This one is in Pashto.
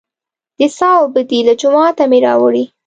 د څاه اوبه دي، له جوماته مې راوړې.